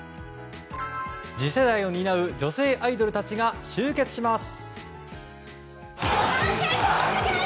次世代を担う女性アイドルたちが集結します。